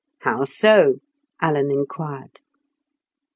"How so?" Alan inquired.